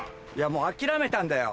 もう諦めたんだよ。